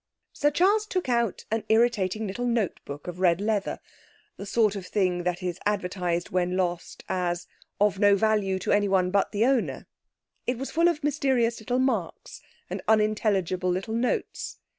Sir Charles took out an irritating little notebook of red leather, the sort of thing that is advertised when lost as 'of no value to anyone but the owner.' It was full of mysterious little marks and unintelligible little notes.